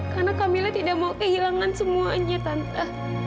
karena kamila tidak mau kehilangan semuanya tante